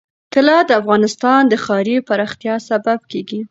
طلا د افغانستان د ښاري پراختیا سبب کېږي.